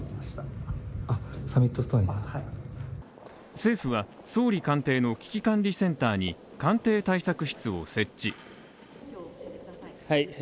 政府は、総理官邸の危機管理センターに官邸対策室を設置。